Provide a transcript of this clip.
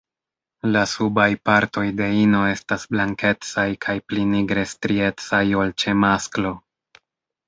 La subaj partoj de ino estas blankecaj kaj pli nigre striecaj ol ĉe masklo.